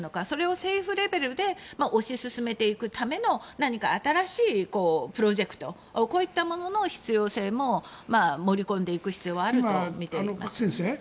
それを政府レベルで推し進めていくための何か、新しいプロジェクトの必要性も盛り込んでいく必要はあると思います。